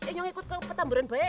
inyong ikut ke petamburan